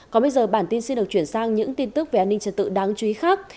còn bây giờ bản tin xin được chuyển sang những tin tức về an ninh trật tự đáng chú ý khác